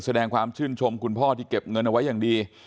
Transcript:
แสดงความชื่นชมคุณพ่อที่เก็บเงินเอาไว้อย่างดี